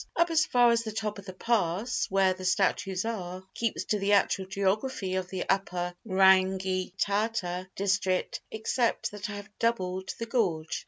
Up as far as the top of the pass, where the statues are, keeps to the actual geography of the upper Rangitata district except that I have doubled the gorge.